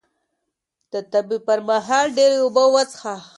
د تبې پر مهال ډېرې اوبه وڅښه